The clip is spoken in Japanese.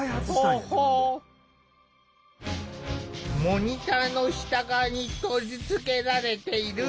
モニターの下側に取り付けられている